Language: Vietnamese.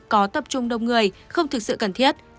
có tập trung đông người không thực sự cần thiết